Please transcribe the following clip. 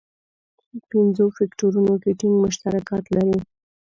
پنځو فکټورونو کې ټینګ مشترکات لري.